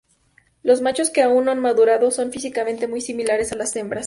Los machos que aún no han madurado son físicamente muy similares a las hembras.